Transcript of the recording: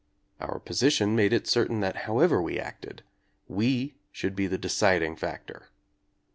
Our position made it certain that however we acted we should be the deciding factor.